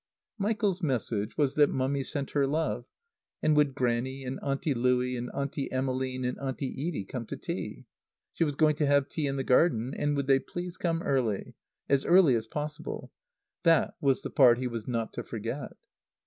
Michael's message was that Mummy sent her love, and would Grannie and Auntie Louie and Auntie Emmeline and Auntie Edie come to tea? She was going to have tea in the garden, and would they please come early? As early as possible. That was the part he was not to forget.